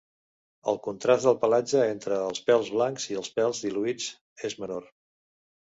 El contrast del pelatge, entre els pèls blancs i els pèls diluïts és menor.